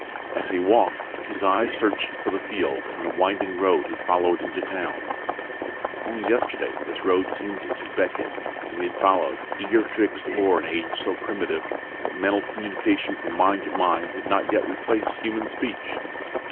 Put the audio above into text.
As he walked his eyes searched for the field and the winding road he'd followed into town. Only yesterday this road had seemed to beckon and he had followed, eager to explore an age so primitive that mental communication from mind to mind had not yet replaced human speech.